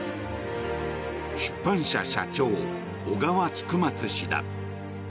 出版社社長、小川菊松氏だ。